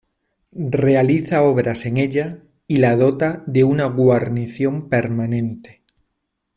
Realiza obras en ella y la dota de una guarnición permanente.